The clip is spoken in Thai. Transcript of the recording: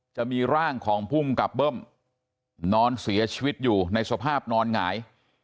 จะมีร่างของภูมิกับเบิ้มนอนเสียชีวิตอยู่ในสภาพนอนหงาย